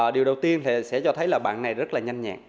điều đầu tiên sẽ cho thấy là bạn này rất là nhanh nhẹn